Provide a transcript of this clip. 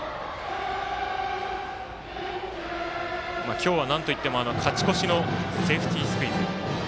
今日はなんといっても勝ち越しのセーフティースクイズ。